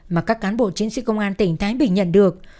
mà các cán bộ chiến sĩ công an tỉnh thái bình nhận được